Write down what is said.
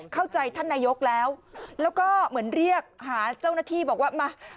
เข้าใจท่านนายกแล้วแล้วก็เหมือนเรียกหาเจ้าหน้าที่บอกว่ามา